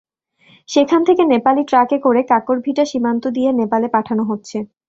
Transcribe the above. সেখান থেকে নেপালি ট্রাকে করে কাঁকরভিটা সীমান্ত দিয়ে নেপালে পাঠানো হচ্ছে।